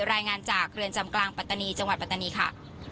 รายงานจากเรือนจำกลางปัตตานีจังหวัดปัตตานีค่ะ